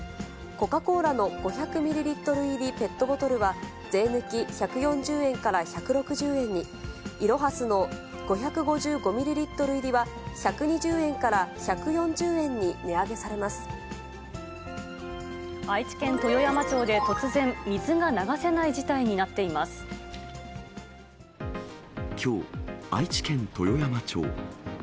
コカ・コーラの５００ミリリットル入りペットボトルは、税抜き１４０円から１６０円に、いろはすの５５５ミリリットル入りは１２０円から１４０円に値上愛知県豊山町で、突然、きょう、愛知県豊山町。